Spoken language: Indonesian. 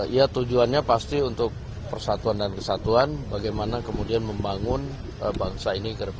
ya tujuannya pasti untuk persatuan dan kesatuan bagaimana kemudian membangun bangsa ini ke depan